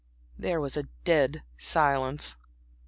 There was a dead silence.